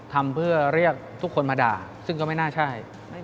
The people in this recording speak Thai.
ทำเพื่อเรียกทุกคนมาด่าซึ่งก็ไม่น่าใช่